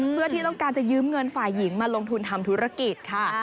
เพื่อที่ต้องการจะยืมเงินฝ่ายหญิงมาลงทุนทำธุรกิจค่ะ